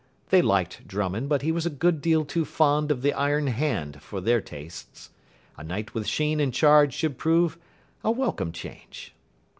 They liked Drummond, but he was a good deal too fond of the iron hand for their tastes. A night with Sheen in charge should prove a welcome change.